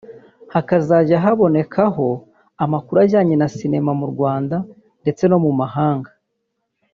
hakazajya habonekaho amakuru ajyanye na Cinema mu Rwanda ndetse no mu mahanga